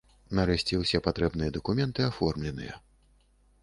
Нарэшце, усе патрэбныя дакументы аформленыя.